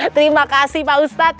terima kasih pak ustadz